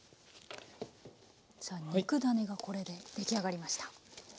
じゃあ肉だねがこれで出来上がりました。